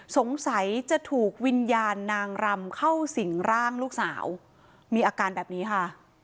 สงสัยจะถูกวิญญาณนางรำเข้าสิ่งร่างลูกสาวมีอาการแบบนี้ค่ะ